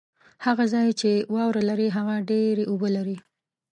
هغه ځای چې واوره لري ، هغه ډېري اوبه لري